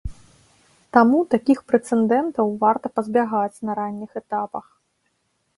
Таму такіх прэцэдэнтаў варта пазбягаць на ранніх этапах.